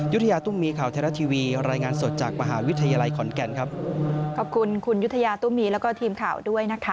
ยุฒิยาตุ้มมีย์ข่าวแทนรัฐทีวีรายงานสดจากมหาวิทยาลัยขอนแก่นครับ